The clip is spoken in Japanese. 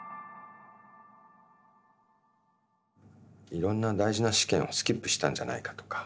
いろんな大事な試験をスキップしたんじゃないかとか。